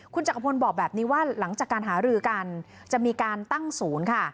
คุณจักรพลบอกแบบนี้ว่าหลังจากการหารือกันจะมีการตั้งศูนย์ค่ะ